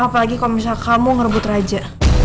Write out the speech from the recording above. apalagi kalau misalnya kamu ngerebut raja